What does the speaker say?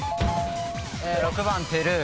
６番ペルー。